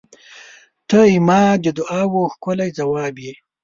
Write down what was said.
ته زما د دعاوو ښکلی ځواب یې.